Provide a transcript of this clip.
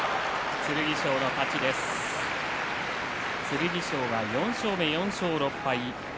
剣翔が４勝目、４勝６敗。